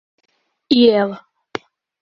E ela?